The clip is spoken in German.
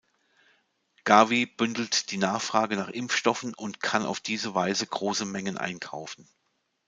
Gavi bündelt die Nachfrage nach Impfstoffen und kann auf diese Weise große Mengen einkaufen.